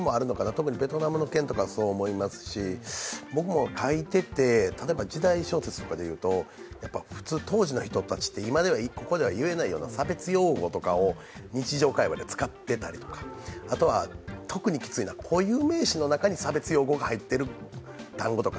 特にベトナムの件とかはそう思いますし僕も書いてて、例えば時代小説でいうと普通、当時の人たちって、ここでは言えないような差別用語とかを日常会話で使っていたりとか、特にきついのは固有名詞の中に差別用語が入ってる単語とか。